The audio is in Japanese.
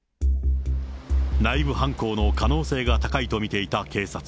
内部犯行の可能性が高いと見ていた警察。